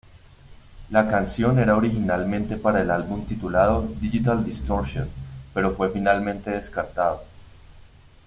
La canción era originalmente para el álbum titulado Digital Distortion, pero fue finalmente descartado.